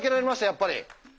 やっぱり。